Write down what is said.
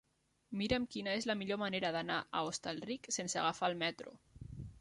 Mira'm quina és la millor manera d'anar a Hostalric sense agafar el metro.